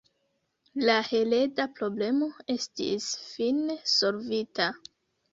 La hereda problemo estis fine solvita.